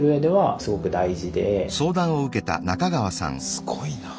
すごいなぁ。